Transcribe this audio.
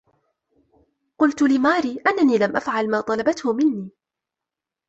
قُلتُ لِماري أَنني لَمْ أَفعَل ما طَلَبتهُ مِنِّي